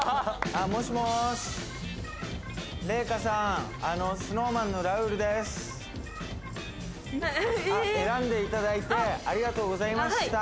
あのＳｎｏｗＭａｎのラウールです選んでいただいてありがとうございました